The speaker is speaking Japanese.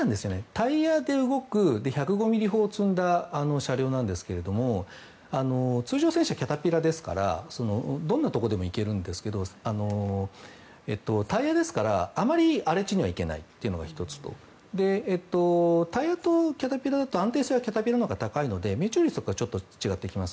タイヤで動く１０５ｍｍ砲を積んだ車両なんですけど通常戦車はキャタピラーですからどんなところでも行けるんですけどタイヤですから、あまり荒れ地に行けないというのが１つとタイヤとキャタピラーだと安定性はキャタピラーのほうが高いので命中率が違ってきます。